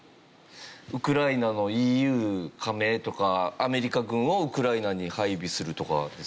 ウクライナのＥＵ加盟とかアメリカ軍をウクライナに配備するとかですかね。